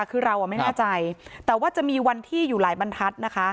คือเราอ่ะไม่แน่ใจแต่ว่าจะมีวันที่อยู่หลายบรรทัศน์นะคะ